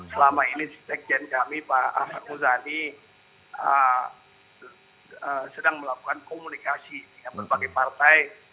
selama ini sekjen kami pak ahmad muzani sedang melakukan komunikasi dengan berbagai partai